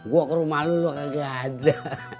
gua ke rumah lu kagak ada